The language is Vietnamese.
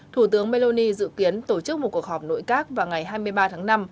thủ tướng meloni dự kiến tổ chức một cuộc họp nội các vào ngày hai mươi ba tháng năm